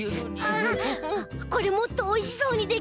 あっこれもっとおいしそうにできるかも！